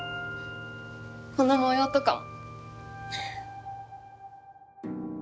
この模様とかも。